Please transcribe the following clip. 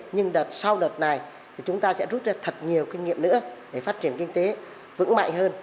nhưng sau đợt này thì chúng ta sẽ rút ra thật nhiều kinh nghiệm nữa để phát triển kinh tế vững mạnh hơn